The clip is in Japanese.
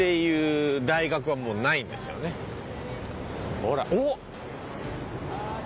ほらおお！